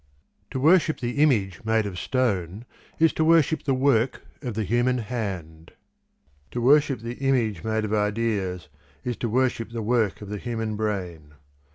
To worship the image made of stone is to worship the work of the human hand. To worship the image made of ideas is to worship the work of the human brain.